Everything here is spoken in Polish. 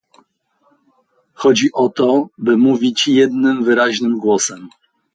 Chodzi o to, by mówić jednym wyraźnym głosem